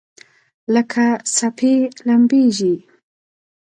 لکه څپې لمبیږي